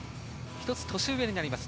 １つ年上になります。